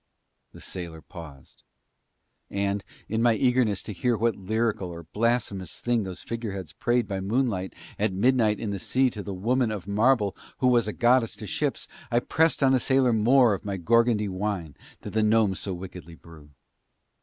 The sailor paused. And, in my eagerness to hear what lyrical or blasphemous thing those figureheads prayed by moonlight at midnight in the sea to the woman of marble who was a goddess to ships, I pressed on the sailor more of my Gorgondy wine that the gnomes so wickedly brew.